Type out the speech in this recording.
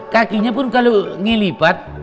kakinya pun kalau ngelipat